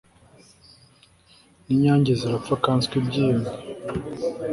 n'inyange zirapfa nkaswe ibyiyoni